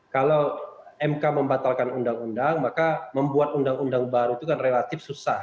kalau mk membatalkan undang undang maka membuat undang undang baru itu kan relatif susah